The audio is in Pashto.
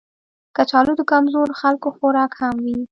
کچالو د کمزورو خلکو خوراک هم وي